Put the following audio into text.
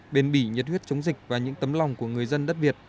bền bỉ nhiệt huyết chống dịch và những tấm lòng của người dân đất việt